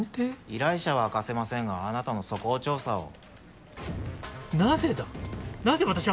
依頼者は明かせませんがあなたの素行調査を。